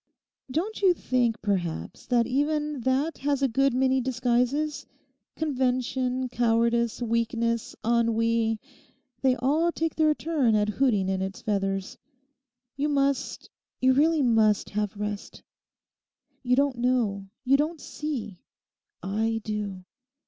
'Don't you think, perhaps, that even that has a good many disguises—convention, cowardice, weakness, ennui; they all take their turn at hooting in its feathers? You must, you really must have rest. You don't know; you don't see; I do.